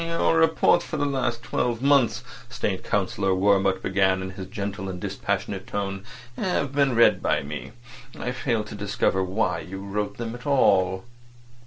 "Your reports for the last twelve months," State Councillor Wurmt began in his gentle and dispassionate tone, "have been read by me. I failed to discover why you wrote them at all."